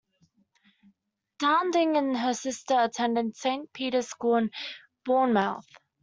Dowding and her sister attended Saint Peter's School in Bournemouth.